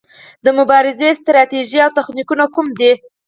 د مبارزې ستراتیژي او تخنیکونه کوم دي؟